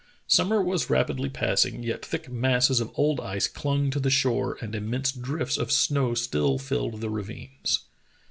Summer was rapidly passing, yet thick masses of old ice clung to the shore and immense drifts of snow still filled the ravines.